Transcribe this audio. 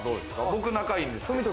僕、仲いいんですけど。